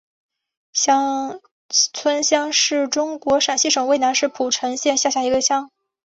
翔村乡是中国陕西省渭南市蒲城县下辖的一个乡。